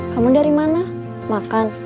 kamu dari mana makan